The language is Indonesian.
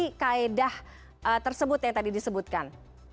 apa kaedah tersebut yang tadi disebutkan